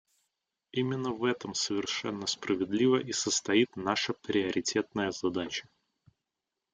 Именно в этом совершенно справедливо и состоит наша приоритетная задача.